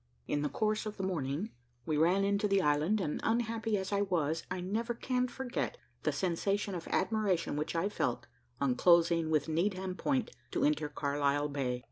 In the course of the morning, we ran into the island, and, unhappy as I was, I never can forget the sensation of admiration which I felt on closing with Needham Point to enter Carlisle Bay.